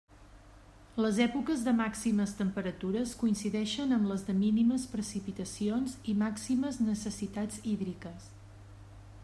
Les èpoques de màximes temperatures coincidixen amb les de mínimes precipitacions i màximes necessitats hídriques.